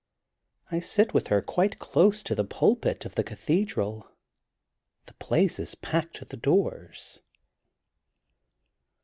I sit with her quite close to the pulpit of the Cathedral. The place is packed to the doors.